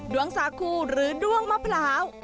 วงสาคูหรือด้วงมะพร้าว